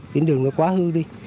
đi đến đường mới quá hư đi